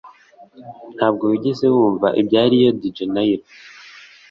Ntabwo wigeze wumva ibya Rio de Janeiro